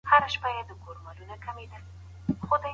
په امریکا کې میلاټونین له درملتون اخیستل کېږي.